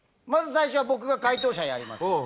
まず最初は僕が解答者やります